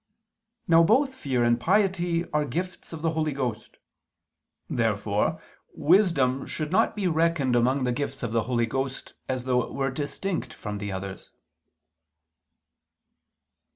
Now both fear and piety are gifts of the Holy Ghost. Therefore wisdom should not be reckoned among the gifts of the Holy Ghost, as though it were distinct from the others.